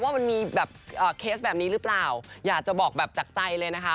ว่ามันมีแบบเคสแบบนี้หรือเปล่าอยากจะบอกแบบจากใจเลยนะคะ